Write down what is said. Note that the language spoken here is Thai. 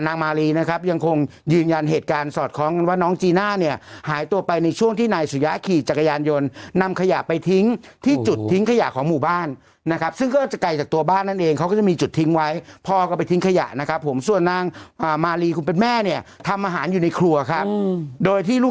มารีนะครับยังคงยืนยันเหตุการณ์สอดคล้องกันว่าน้องจีน่าเนี่ยหายตัวไปในช่วงที่นายสุยะขี่จักรยานยนต์นำขยะไปทิ้งที่จุดทิ้งขยะของหมู่บ้านนะครับซึ่งก็จะไกลจากตัวบ้านนั่นเองเขาก็จะมีจุดทิ้งไว้พ่อก็ไปทิ้งขยะนะครับผมส่วนนางมาลีคุณเป็นแม่เนี่ยทำอาหารอยู่ในครัวครับโดยที่ลูก